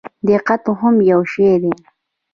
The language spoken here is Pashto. دقت هم یو شی دی.